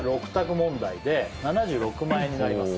問題で７６万円になります